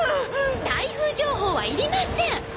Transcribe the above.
台風情報はいりません！